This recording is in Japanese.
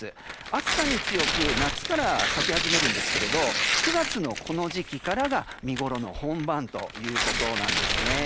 暑さに強く夏から先始めるんですが９月のこの時期からが、見ごろの本番ということなんですね。